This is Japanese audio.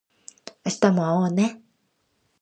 明日も会おうね